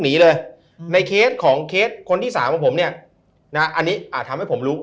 หนีเลยในเคสของเคสคนที่สามของผมเนี่ยนะอันนี้อาจทำให้ผมรู้